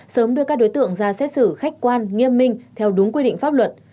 sớm đưa các đối tượng ra xét xử khách quan nghiêm minh theo đúng quy định pháp luật